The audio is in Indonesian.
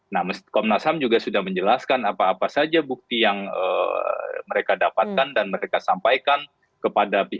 nah komnas ham juga sudah menjelaskan apa apa saja bukti yang mereka dapatkan dan mereka sampaikan kepada pihak